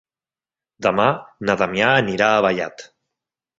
Demà na Damià anirà a Vallat.